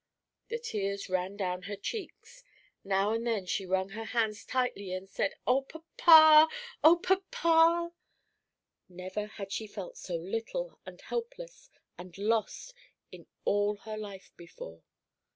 The tears ran down her cheeks; now and then she wrung her hands tightly, and said, "O papa! O papa!" Never had she felt so little and helpless and lost in all her life before.